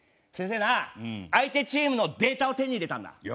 先生な相手チームのデータを手に入れたんだ。